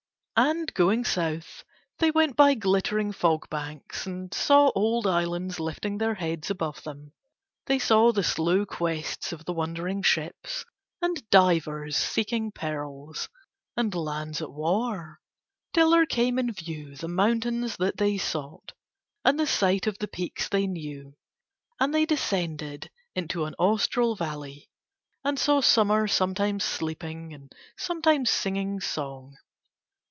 And going South they went by glittering fog banks and saw old islands lifting their heads above them; they saw the slow quests of the wandering ships, and divers seeking pearls, and lands at war, till there came in view the mountains that they sought and the sight of the peaks they knew; and they descended into an austral valley, and saw Summer sometimes sleeping and sometimes singing song.